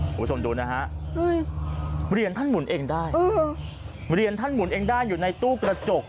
คุณผู้ชมดูนะฮะเหรียญท่านหมุนเองได้เหรียญท่านหมุนเองได้อยู่ในตู้กระจก